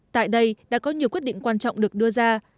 tại đây đã có nhiều quyết định quan trọng được đưa ra